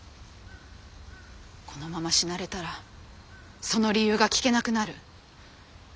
このまま死なれたらその理由が聞けなくなる。